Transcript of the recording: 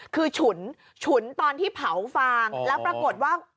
คือฉุนฉุนตอนที่เผาฟางแล้วปรากฏว่า